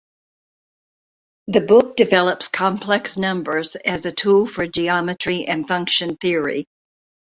The book develops complex numbers as a tool for geometry and function theory.